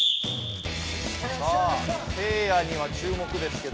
さあせいやにはちゅうもくですけど。